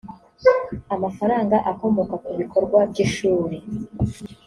amafaranga akomoka ku bikorwa by’ ishuri